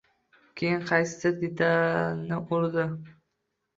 Keyin qaysidir detalni urdi.